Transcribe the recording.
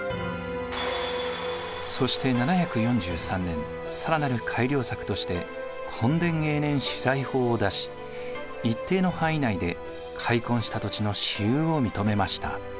そして７４３年更なる改良策として墾田永年私財法を出し一定の範囲内で開墾した土地の私有を認めました。